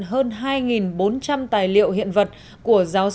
hơn hai bốn trăm linh tài liệu hiện vật của giáo sư